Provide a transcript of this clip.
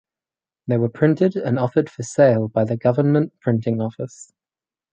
They were printed and offered for sale by the Government Printing Office.